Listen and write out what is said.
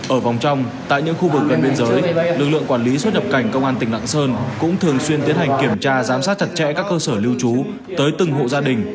ở vòng trong tại những khu vực gần biên giới lực lượng quản lý xuất nhập cảnh công an tỉnh lạng sơn cũng thường xuyên tiến hành kiểm tra giám sát chặt chẽ các cơ sở lưu trú tới từng hộ gia đình